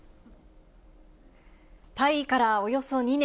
退位からおよそ２年。